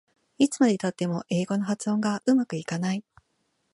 いつまでたっても英語の発音がうまくいかない